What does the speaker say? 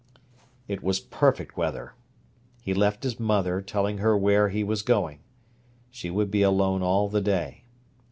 It was perfect weather. He left his mother, telling her where he was going. She would be alone all the day.